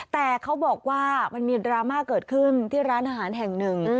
แต่เขาบอกว่ามันมีดราม่าเกิดขึ้นที่ร้านอาหารแห่งหนึ่ง